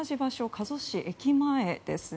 加須市駅前です。